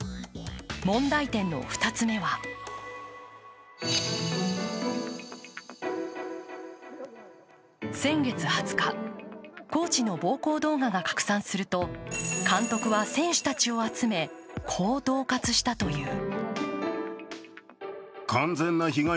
問題点の２つ目は先月２０日、コーチの暴行動画が拡散すると監督は選手たちを集め、こうどう喝したという。